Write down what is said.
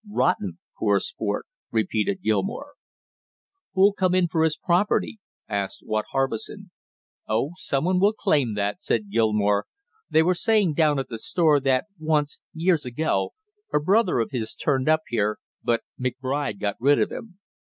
"Rotten poor sport!" repeated Gilmore. "Who'll come in for his property?" asked Watt Harbison. "Oh, some one will claim that," said Gilmore. "They were saying down at the store, that once, years ago, a brother of his turned up, here, but McBride got rid of him."